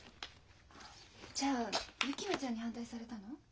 じゃあ薫乃ちゃんに反対されたの？